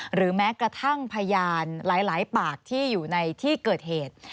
หรือแม้กระทั่งพยานหลายปากที่อยู่ในที่เกิดเหตุ